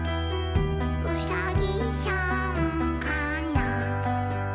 「うさぎさんかな？」